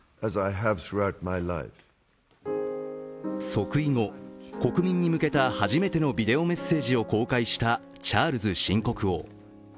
即位後、国民に向けた初めてのビデオメッセージを公開したチャールズ新国王。